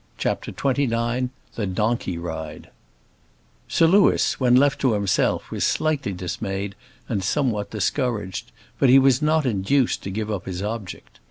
CHAPTER XXIX The Donkey Ride Sir Louis, when left to himself, was slightly dismayed and somewhat discouraged; but he was not induced to give up his object.